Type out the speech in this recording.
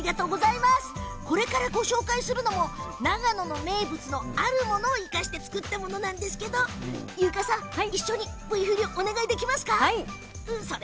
これからご紹介するのも、長野の名物のあるものを生かして作ったものなんですけど優香さん、一緒にＶ振りお願いできますか？